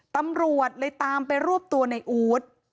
ตำรวจเลยตามไปรวบตัวในอู๊ด